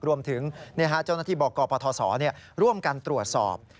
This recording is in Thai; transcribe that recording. รวมถึงเจ้าหน้าที่บกปทศร่วมกันตรวจสอบ